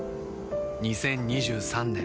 ２０２３年